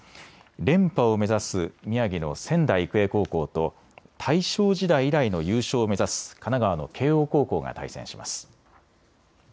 連覇を目指す宮城の仙台育英高校と大正時代以来の優勝を目指す神奈川の慶応高校が対戦します。